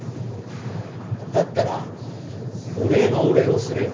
だったらお礼のお礼をするよ。